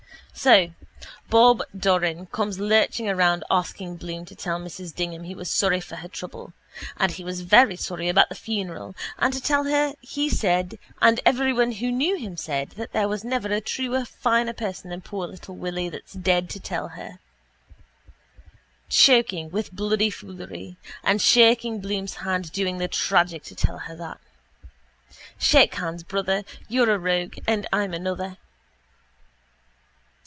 So Bob Doran comes lurching around asking Bloom to tell Mrs Dignam he was sorry for her trouble and he was very sorry about the funeral and to tell her that he said and everyone who knew him said that there was never a truer, a finer than poor little Willy that's dead to tell her. Choking with bloody foolery. And shaking Bloom's hand doing the tragic to tell her that. Shake hands, brother. You're a rogue and I'm another.